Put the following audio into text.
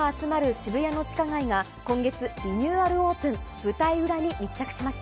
渋谷の地下街が今月、リニューアルオープン。